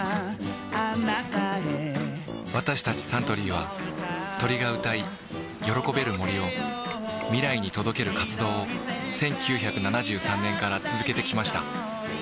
私たちサントリーは鳥が歌い喜べる森を未来に届ける活動を１９７３年から続けてきました